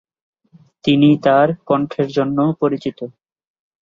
তিনি তার কণ্ঠের জন্যও পরিচিত।